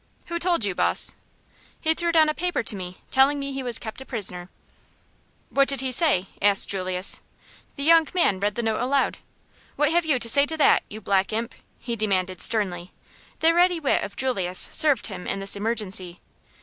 "Who told you, boss?" "He threw down a paper to me, telling me he was kept a prisoner." "What did he say?" asked Julius. The young man read the note aloud. "What have to say to that, you black imp?" he demanded, sternly. The ready wit of Julius served him in this emergency.